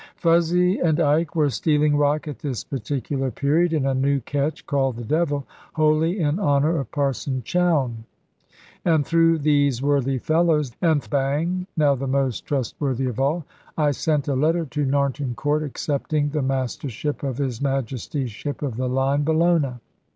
Fuzzy and Ike were stealing rock at this particular period in a new ketch called the Devil (wholly in honour of Parson Chowne); and through these worthy fellows, and Bang (now the most trustworthy of all), I sent a letter to Narnton Court, accepting the mastership of his Majesty's ship of the line, Bellona.